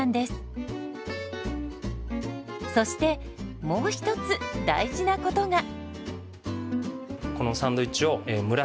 そしてもう一つ大事なことが。